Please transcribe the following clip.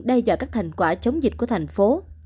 đây do các thành quả chống dịch của thành phố